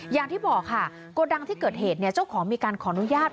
อย่างที่บอกค่ะโกดังที่เกิดเหตุเจ้าของมีการขออนุญาต